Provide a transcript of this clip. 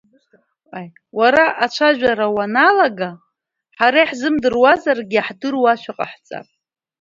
Уара ацәажәара уаналага ҳара иаҳзымдыруазаргьы иаҳдыруашәа ҟаҳҵап…